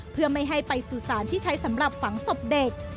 เพื่อไม่ให้ไปสู่สารที่ใช้สำหรับฝังศพเด็ก